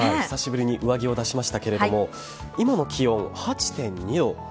久しぶりに上着を出しましたが今の気温、８．２度。